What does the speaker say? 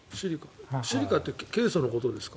シリカってケイ素のことですか？